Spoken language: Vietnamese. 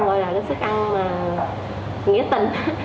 gọi là sức ăn nghĩa tình